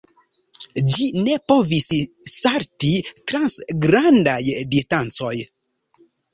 Ĝi ne povis salti trans grandaj distancoj.